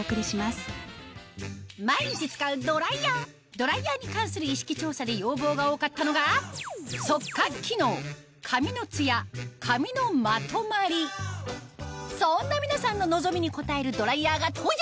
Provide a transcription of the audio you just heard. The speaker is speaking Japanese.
ドライヤーに関する意識調査で要望が多かったのがそんな皆さんの望みに応えるドライヤーが登場！